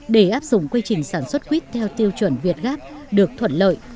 để áp dụng quy trình sản xuất quýt theo tiêu chuẩn việt gáp được thuận lợi